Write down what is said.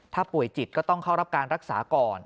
ถ้าป่วยจิตก็ต้องเข้ารับการรักษาก่อน